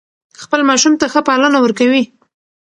خپل ماشوم ته ښه پالنه ورکوي.